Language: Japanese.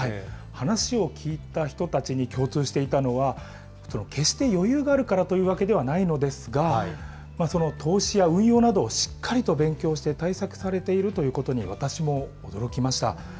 話を聞いた人たちに共通していたのは、決して余裕があるからというわけではないのですが、投資や運用などをしっかりと勉強して対策されているということに、私も驚きました。